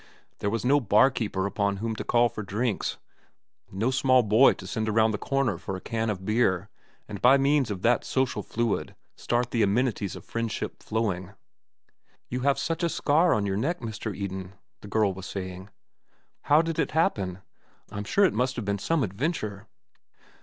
There was no bar keeper upon whom to call for drinks, no small boy to send around the corner for a can of beer and by means of that social fluid start the amenities of friendship flowing. "You have such a scar on your neck, Mr. Eden," the girl was saying. "How did it happen? I am sure it must have been some adventure."